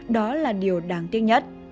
đó là điều đáng tiếc nhất